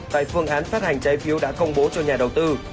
tại phương án phát hành trái phiếu đã công bố cho nhà đầu tư